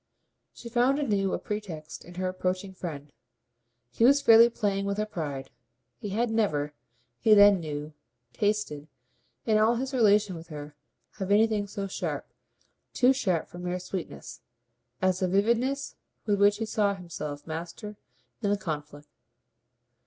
She found anew a pretext in her approaching friend: he was fairly playing with her pride. He had never, he then knew, tasted, in all his relation with her, of anything so sharp too sharp for mere sweetness as the vividness with which he saw himself master in the conflict.